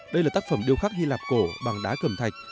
đây là tác phẩm điêu khắc hy lạp cổ bằng đá cầm thạch